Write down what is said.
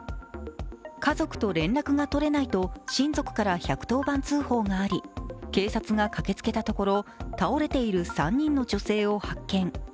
家族と連絡が取れないと親族から１１０番通報があり、警察が駆けつけたところ倒れている３人の女性を発見。